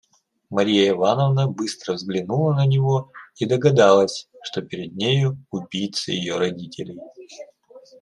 Марья Ивановна быстро взглянула на него и догадалась, что перед нею убийца ее родителей.